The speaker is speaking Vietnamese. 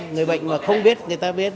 người bệnh mà không biết người ta biết